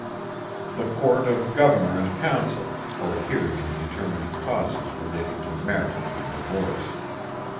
The Court of Governor and Council, for hearing and determining Causes relating to Marriage and Divorce.